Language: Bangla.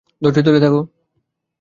ধৈর্য ধরে থাকো।